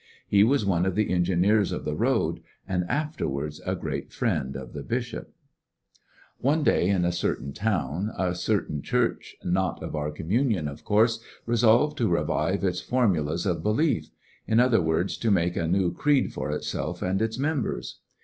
He was one of the engineers of the road, and afterwards a great friend of the bishop. 190 ^j/Hssionary in tfie Great West One day in a certain town a certain church, Rmsing their not of our communion, of course, resolved to ^^ revise its formulas of belief ; in other words, to make a new creed for itself and its members.